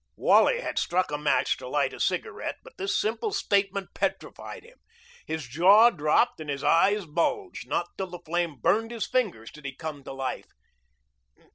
Wally had struck a match to light a cigarette, but this simple statement petrified him. His jaw dropped and his eyes bulged. Not till the flame burned his fingers did he come to life.